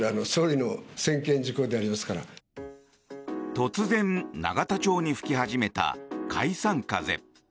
突然、永田町に吹き始めた解散風。